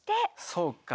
そうか。